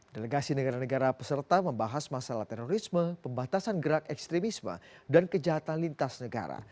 delegasi negara negara peserta membahas masalah terorisme pembatasan gerak ekstremisme dan kejahatan lintas negara